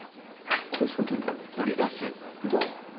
これそうじゃない？どれ？